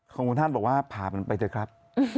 คุณท่านบอกว่าผ่ามันไปเถอะครับ